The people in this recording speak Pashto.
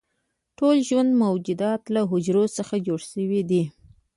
ټول ژوندي موجودات له حجرو څخه جوړ شوي دي